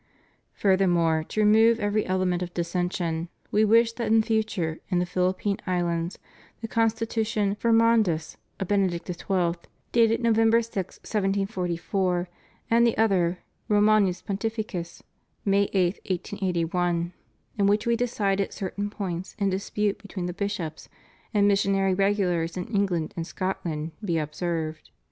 Furthermore, to remove every element of dissension. We wish that in future in the Philippine Islands the constitution Forman dis of Benedict XII., dated November 6, 1744, and the other Romanos Pontifices, May 8, 1881, in which We de cided certain points in dispute between the bishops and missionary regulars in England and Scotland, be observed.